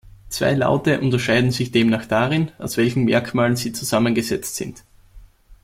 Zwei Laute unterscheiden sich demnach darin, aus welchen Merkmalen sie zusammengesetzt sind.